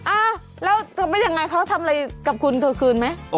อ้าวแล้วทำเป็นอย่างไรเขาทำอะไรกับคุณเท่าคืนไหม